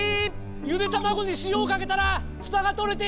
ゆで卵に塩をかけたらふたが取れて